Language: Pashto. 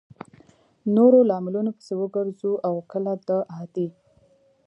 نورو لاملونو پسې وګرځو او کله د عادي